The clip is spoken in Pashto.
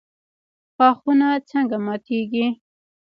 ښاخونه څنګه ماتیږي؟